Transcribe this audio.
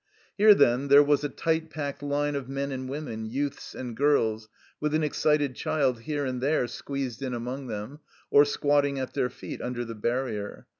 Here, then, there was a tight packed line of men and women, youths and girls, with an excited child here and there squeezed in among them, or squatting at their feet under the barrier.